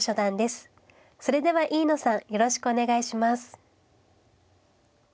それでは飯野さんよろしくお願いします。